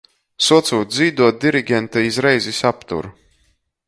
Suocūt dzīduot, dirigente iz reizis aptur.